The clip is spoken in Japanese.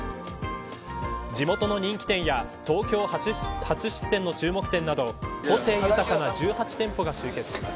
地元の人気店や東京初出店の注目店など個性豊かな１８店舗が集結します。